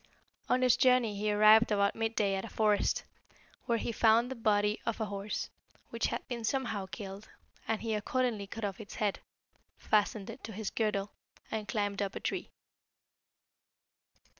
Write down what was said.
"On his journey he arrived about mid day at a forest, where he found the body of a horse, which had been somehow killed, and he accordingly cut off its head, fastened it to his girdle, and climbed up a tree.